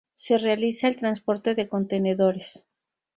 Se realiza el transporte de contenedores.